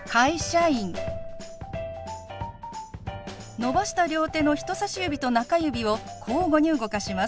伸ばした両手の人さし指と中指を交互に動かします。